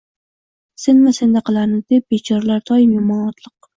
Sen va sendaqalarni deb bechoralar doim yomon otliq.